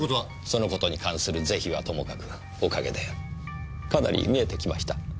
その事に関する是非はともかくおかげでかなり見えてきました。